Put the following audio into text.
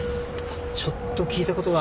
ちょっと聞いたことが。